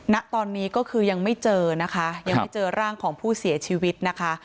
ณตอนนี้ก็คือยังไม่เจอนะคะยังไม่เจอร่างของผู้เสียชีวิตนะคะ